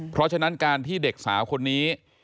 เพราะฉะนั้นการที่เด็กสาวคนนี้